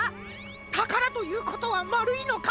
たからということはまるいのか？